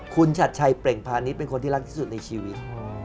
คุณชัดชัยเปล่งพาณิชย์เป็นคนที่รักที่สุดในชีวิต